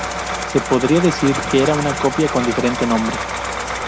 Se podría decir que era una copia con diferente nombre.